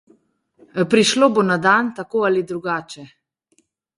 Prišlo bo na dan, tako ali drugače.